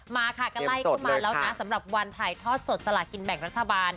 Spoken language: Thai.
มาค่ะก็ไล่เข้ามาแล้วนะสำหรับวันถ่ายทอดสดสลากินแบ่งรัฐบาล